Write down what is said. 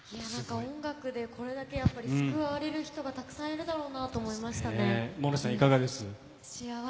音楽で、これだけ救われる人がたくさんいるんだと思いました。